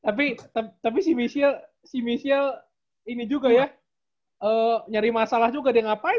tapi tapi si michelle si michelle ini juga ya nyari masalah juga deh ngapain